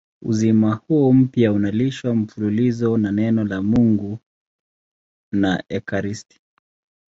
Uzima huo mpya unalishwa mfululizo na Neno la Mungu na ekaristi.